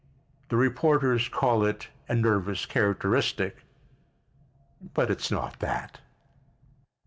The reporters call it a nervous characteristic, but it's not that.